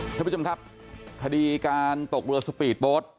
ท่านผู้ชมครับคดีการตกเรือสปีดโบสต์